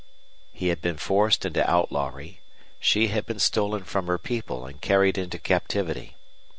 He had been forced into outlawry; she had been stolen from her people and carried into captivity.